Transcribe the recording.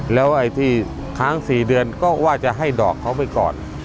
แล้วไอ้ที่ค้าง๔เดือนก็ว่าจะให้ดอกเขาไปก่อน